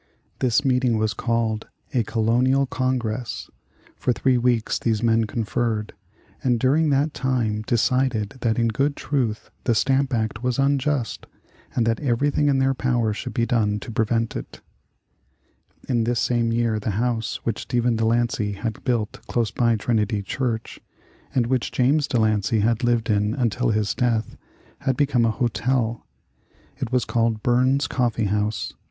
This meeting was called a Colonial Congress. For three weeks these men conferred, and during that time decided that in good truth the Stamp Act was unjust, and that everything in their power should be done to prevent it. [Illustration: Coffee House opposite Bowling Green, Head Quarters of the Sons of Liberty.] In this same year the house which Stephen De Lancey had built close by Trinity Church, and which James De Lancey had lived in until his death, had become a hotel. It was called Burns's Coffee House.